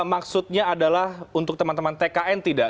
maksudnya adalah untuk teman teman tkn tidak